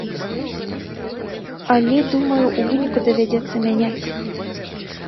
Але, думаю, у выніку давядзецца мяняць.